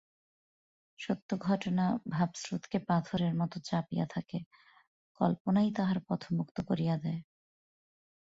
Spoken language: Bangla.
সত্য ঘটনা ভাবস্রোতকে পাথরের মতো চাপিয়া থাকে, কল্পনাই তাহার পথ মুক্ত করিয়া দেয়।